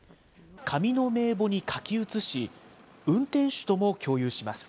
紙の名簿に書き写し、運転手とも共有します。